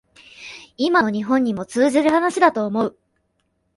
今の日本にも通じる話だと思う